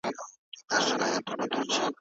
مخینه د پوهې د پیل ټکی دئ.